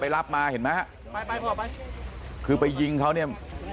ไปรับมาเห็นมั้ยฮะไปพอไปคือไปยิงเขาเนี่ย